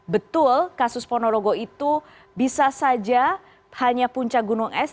betul kasus ponorogo itu bisa saja hanya puncak gunung es